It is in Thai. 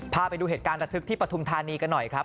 พาไปดูเหตุการณ์ระทึกที่ปฐุมธานีกันหน่อยครับ